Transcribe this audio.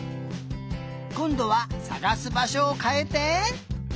こんどはさがすばしょをかえて。